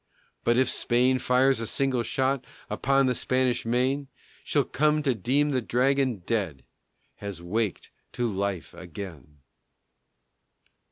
But if Spain fires a single shot Upon the Spanish main, She'll come to deem the Dragon dead Has waked to life again.